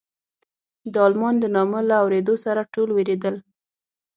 د المان د نامه له اورېدو سره ټول وېرېدل.